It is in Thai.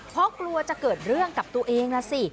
เพราะกลัวจะเกิดเรื่องกับตัวเองนะสิ